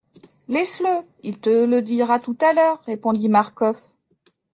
Laisse-le ! il te le dira tout à l'heure, répondit Marcof.